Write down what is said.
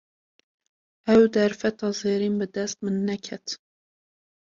Ew derfeta zêrîn, bi dest min neket